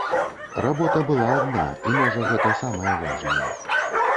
Работа была адна, і можа гэта самае важнае.